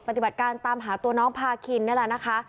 ปฏิบัติการตามหาตัวน้องพาคินนี่แหละนะคะ